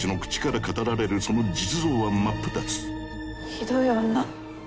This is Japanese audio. ひどい女。